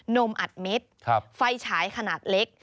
นมอัดเม็ดไฟฉายขนาดเล็ก